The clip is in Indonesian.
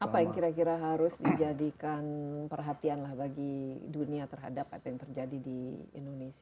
apa yang kira kira harus dijadikan perhatian lah bagi dunia terhadap apa yang terjadi di indonesia